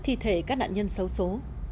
thì thể các nạn nhân xấu xố